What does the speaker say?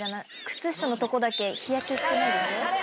靴下のとこだけ日焼けしてない。